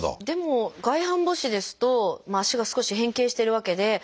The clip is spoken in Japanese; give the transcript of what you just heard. でも外反母趾ですと足が少し変形してるわけで。